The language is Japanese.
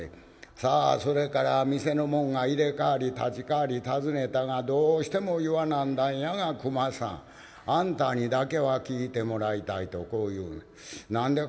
さあそれから店の者が入れ代わり立ち代わり尋ねたがどうしても言わなんだんやが熊さんあんたにだけは聞いてもらいたいとこう言うねん。